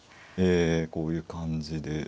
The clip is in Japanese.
ええこういう感じで。